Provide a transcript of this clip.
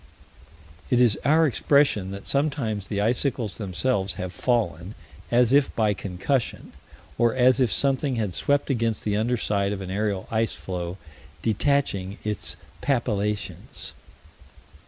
It is our expression that sometimes the icicles themselves have fallen, as if by concussion, or as if something had swept against the under side of an aerial ice floe, detaching its papillations.